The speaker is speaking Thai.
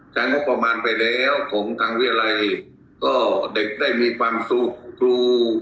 ใช้งบประมาณไปแล้วของทางวิรัยก็เด็กได้มีความสุขครู